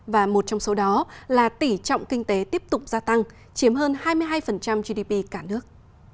và một trong số đó là tỷ trọng kinh tế tiếp tục gia tăng chiếm hơn hai mươi hai gdp cả nước